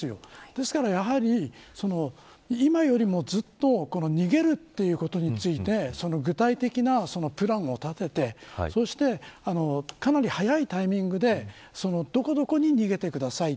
ですから、やはり今よりもずっと逃げるということについて具体的なプランを立ててかなり早いタイミングでどこどこに逃げてください。